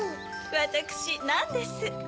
わたくしナンです。